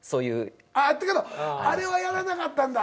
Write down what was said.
あったけどあれはやらなかったんだ。